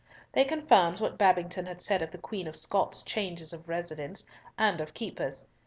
They confirmed what Babington had said of the Queen of Scots' changes of residence and of keepers.